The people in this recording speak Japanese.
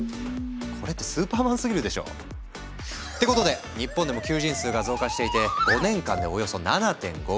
これってスーパーマンすぎるでしょ！ってことで日本でも求人数が増加していて５年間でおよそ７．５倍に。